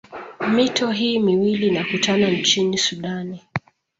Mito hii miwili inakutana nchini sudani